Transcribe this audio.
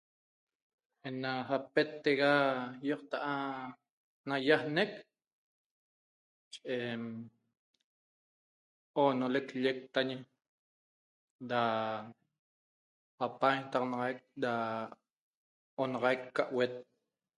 Aiem da apettecga yocta na nayiagneq onoleq lleq tañe da apaxaguenataxanaxaq da onaxaiq ca avet